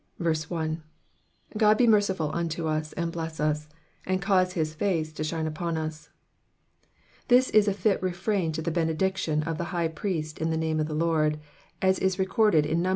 1. *^ Ood be mercifvl unto us, and bless us; and cause his face to shine upon us.'*'' This is a fit refrain to the benediction of the High Priest in the Dame of the Lord, as recorded in Num.